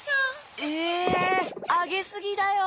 えあげすぎだよ！